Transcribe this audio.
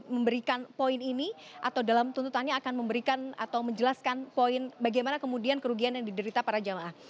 memberikan poin ini atau dalam tuntutannya akan memberikan atau menjelaskan poin bagaimana kemudian kerugian yang diderita para jamaah